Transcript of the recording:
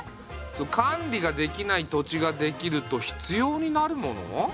管理ができない土地ができると必要になるもの？